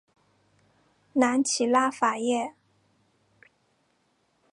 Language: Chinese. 南起拉法叶。